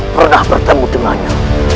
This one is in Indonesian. pernah bertemu dengan dia